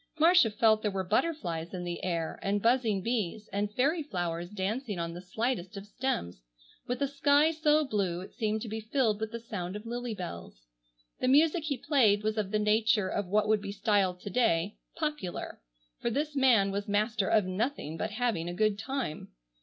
Marcia felt there were butterflies in the air, and buzzing bees, and fairy flowers dancing on the slightest of stems, with a sky so blue it seemed to be filled with the sound of lily bells. The music he played was of the nature of what would be styled to day "popular," for this man was master of nothing but having a good time.